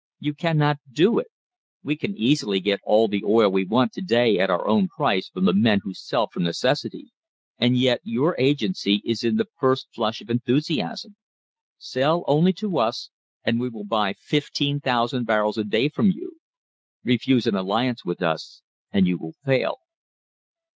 You cannot do it. We can easily get all the oil we want to day at our own price from the men who sell from necessity, and yet your agency is in the first flush of enthusiasm. Sell only to us and we will buy 15,000 barrels a day from you. Refuse an alliance with us and you will fail."